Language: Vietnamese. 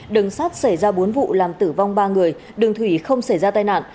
đường sắt xảy ra bốn vụ làm tử vong ba người đường thủy không xảy ra tai nạn